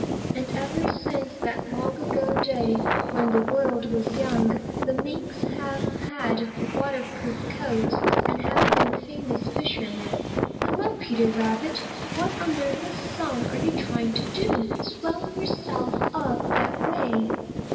And ever since that long ago day when the world was young, the Minks have had waterproof coats and have been famous fishermen. Hello, Peter Rabbit! What under the sun are you trying to do, swelling yourself up that way?"